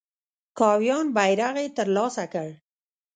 کاویان بیرغ یې تر لاسه کړ.